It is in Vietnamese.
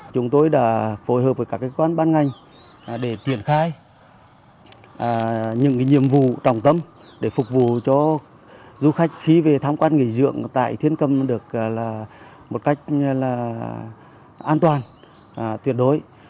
chúng tôi đã phối hợp với các cơ quan ban ngành để triển khai những nhiệm vụ trọng tâm để phục vụ cho du khách khi về tham quan nghỉ dưỡng tại thiên cầm được một cách an toàn tuyệt đối